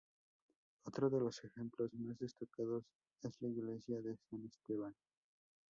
Otro de los ejemplos más destacados es la iglesia de San Esteban.